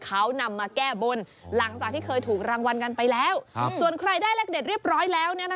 เขานำมาแก้บนหลังจากที่เคยถูกรางวัลกันไปแล้วส่วนใครได้เลขเด็ดเรียบร้อยแล้ว